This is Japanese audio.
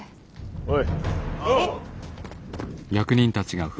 おい。